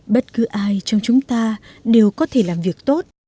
bất cứ ai trong chúng ta đều có thể làm việc tốt